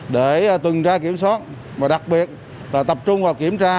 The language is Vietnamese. để tuần tra kiểm soát và đặc biệt là tập trung vào kiểm tra